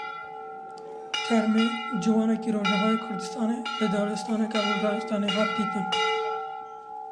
Termê ciwanekî Rojavayê Kurdistanê li daristaneke Bulgaristanê hat dîtin.